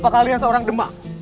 apakah kalian seorang demak